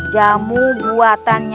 jamu buatan nyi